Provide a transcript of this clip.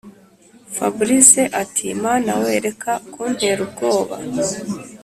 fabric ati”mana weeee reka kuntera ubwoba